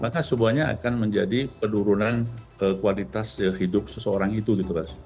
maka semuanya akan menjadi penurunan kualitas hidup seseorang itu gitu mas